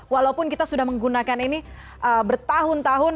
walaupun kita sudah menggunakan ini bertahun tahun